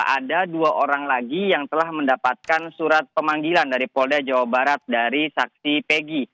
ada dua orang lagi yang telah mendapatkan surat pemanggilan dari polda jawa barat dari saksi pegi